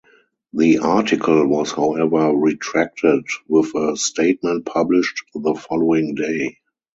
The article was however retracted with a statement published the following day.